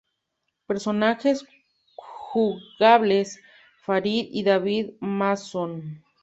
Personajes Jugables: Farid y David Mason.